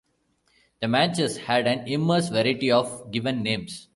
The Manchus had an immense variety of given names.